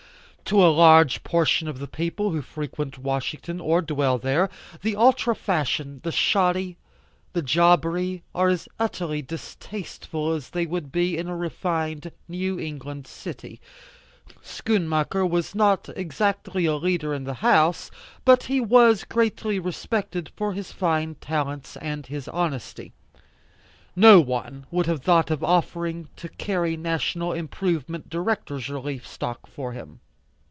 To a large portion of the people who frequent Washington or dwell there, the ultra fashion, the shoddy, the jobbery are as utterly distasteful as they would be in a refined New England City. Schoonmaker was not exactly a leader in the House, but he was greatly respected for his fine talents and his honesty. No one would have thought of offering to carry National Improvement Directors Relief stock for him.